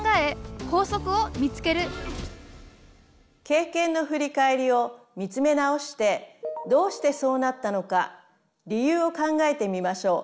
経験の振り返りを見つめ直してどうしてそうなったのか理由を考えてみましょう。